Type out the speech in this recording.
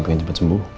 pengen cepet sembuh